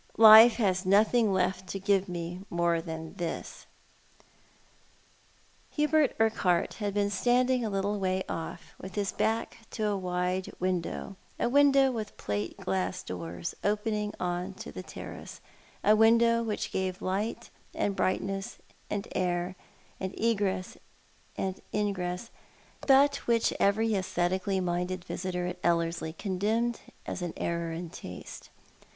" Life has nothing left to give me more than this." Hubert Urquhart had been standing a little way off, with his back to a wide window — a window with plate glass doors, open ing on to the terrace, a window which gave light and brightness, and air, and egress and ingress, but which every aesthetically minded visitor at Ellerslie condemned as an error in taste.